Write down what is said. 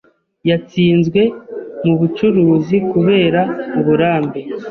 Yatsinzwe mubucuruzi kubera uburambe.